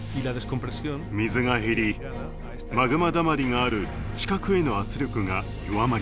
水が減りマグマだまりがある地殻への圧力が弱まります。